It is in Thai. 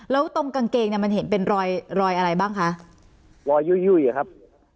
แล้วตรงกางเกงเนี่ยมันเห็นเป็นรอยรอยอะไรบ้างคะรอยยุ้ยยุ่ยอะครับ